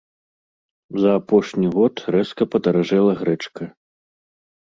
За апошні год рэзка падаражэла грэчка.